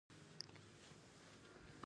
تالابونه د افغانستان د سیاسي جغرافیه برخه ده.